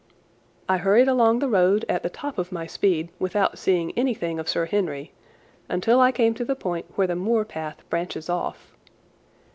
I hurried along the road at the top of my speed without seeing anything of Sir Henry, until I came to the point where the moor path branches off.